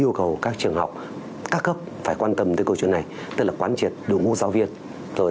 và yêu cầu các trường học các cấp phải quan tâm tới câu chuyện này tức là quán triệt đủ ngũ giáo viên rồi